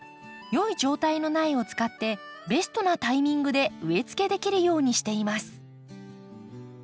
良い状態の苗を使ってベストなタイミングで植えつけできるようにしています。